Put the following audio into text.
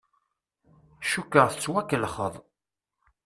Cukkeɣ tettwakellexeḍ.